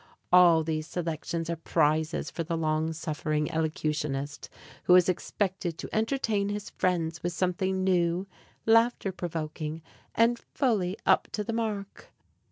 All these selections are prizes for the long suffering elocutionist who is expected to entertain his friends with something new, laughter provoking, and fully up to the mark.